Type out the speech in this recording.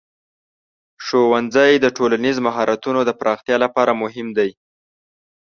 ښوونځی د ټولنیز مهارتونو د پراختیا لپاره مهم دی.